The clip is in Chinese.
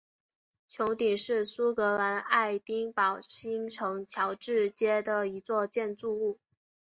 穹顶是苏格兰爱丁堡新城乔治街的一座建筑物。